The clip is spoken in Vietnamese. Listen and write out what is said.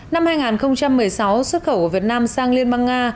năm hai nghìn một mươi sáu xuất khẩu của việt nam sang liên bang nga